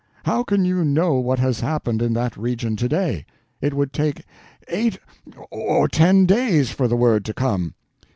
How can you know what has happened in that region to day? It would take eight or ten days for the word to come."